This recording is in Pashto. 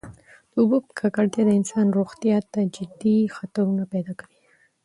د اوبو ککړتیا د انسان روغتیا ته جدي خطرونه پیدا کوي.